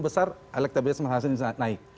besar elektabilitas mas anta ini naik